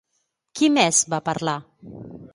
Qui més va parlar?